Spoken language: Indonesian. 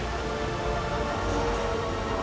kayaknya seru deh